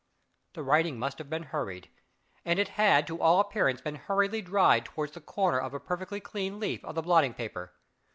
The writing must have been hurried, and it had to all appearance been hurriedly dried toward the corner of a perfectly clean leaf of the blotting paper.